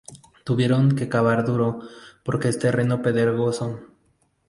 Tuvieron que cavar duro, porque es terreno pedregoso.